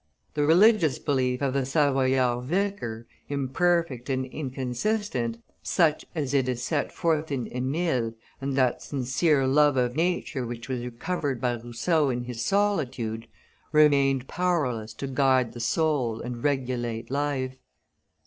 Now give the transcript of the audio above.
The religious belief of the Savoyard vicar, imperfect and inconsistent, such as it is set forth in Emile, and that sincere love of nature which was recovered by Rousseau in his solitude, remained powerless to guide the soul and regulate life.